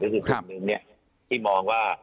คือกลุ่มนึงเนี่ยที่มองว่า